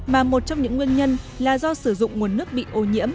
mà một trong những nguyên nhân là do sử dụng nguồn nước bị ô nhiễm